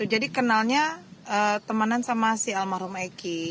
jadi kenalnya temenan sama si almarhum eki